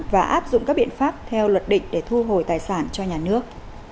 và áp dụng các biện pháp theo luật định để thu hồi tài sản cho nhà nước